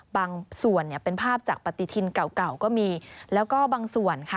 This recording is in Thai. บางส่วนเนี่ยเป็นภาพจากปฏิทินเก่าก็มีแล้วก็บางส่วนค่ะ